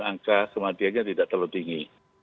angka kematiannya tidak terlalu tinggi